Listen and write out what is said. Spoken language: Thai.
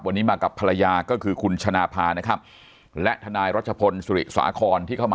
วันนี้มากับภรรยาก็คือคุณชนะภานะครับ